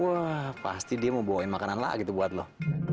wah pasti dia mau bawain makanan lah gitu buat lo